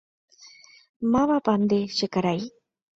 ¡Mávapa nde che karai!